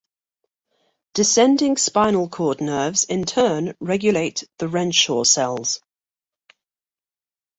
Descending spinal cord nerves in turn regulate the Renshaw cells.